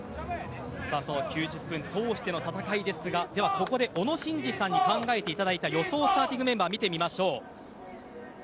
その９０分とおしての戦いですがではここで小野伸二さんに考えていただいた予想スターティングメンバー見てみましょう。